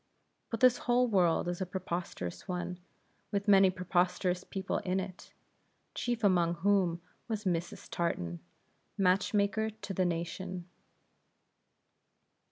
But this whole world is a preposterous one, with many preposterous people in it; chief among whom was Mrs. Tartan, match maker to the nation.